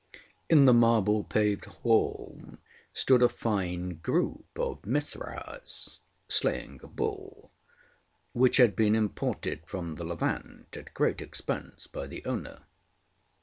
In the marble paved hall stood a fine group of Mithras slaying a bull, which had been imported from the Levant at great expense by the owner.